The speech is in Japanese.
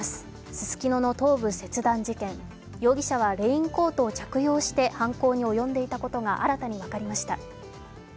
ススキノの頭部切断事件容疑者はレインコートを着用して犯行に及んでいたことが新たに分かりました。